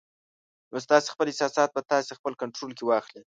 نو ستاسې خپل احساسات به تاسې خپل کنټرول کې واخلي